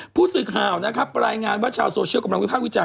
ผู้สื่อข่าวนะครับรายงานว่าชาวโซเชียลกำลังวิภาควิจารณ